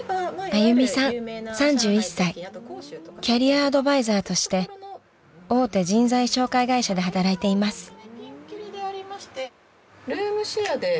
［キャリアアドバイザーとして大手人材紹介会社で働いています］